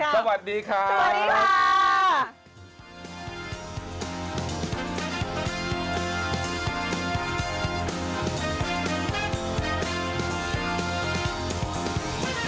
ใช่เลยค่ะยิ้มนานเมื่อยปากอะ